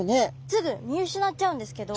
すぐ見失っちゃうんですけど。